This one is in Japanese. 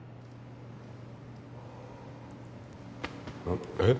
んっえっ？